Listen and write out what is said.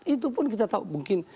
itu pun kita tahu mungkin